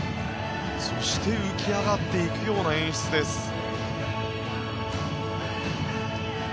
そして、浮き上がっていくような演出です。